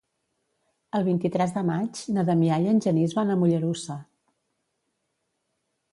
El vint-i-tres de maig na Damià i en Genís van a Mollerussa.